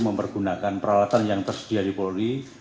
mempergunakan peralatan yang tersedia di polri